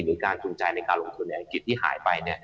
หรือการจูงใจในการลงทุนในอัจฉีดที่หายไป